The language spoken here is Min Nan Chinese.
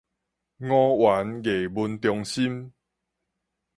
吳園藝文中心